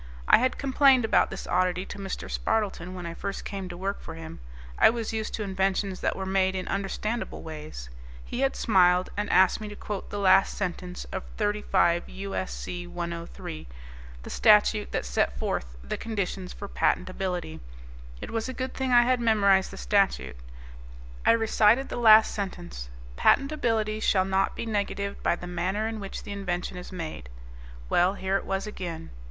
I had complained about this oddity to Mr. Spardleton when I first came to work for him; I was used to inventions that were made in understandable ways. He had smiled and asked me to quote the last sentence of 35 U.S.C. 103, the statute that set forth the conditions for patentability. It was a good thing I had memorized the statute. I recited the last sentence, "Patentability shall not be negatived by the manner in which the invention is made." Well, here it was again.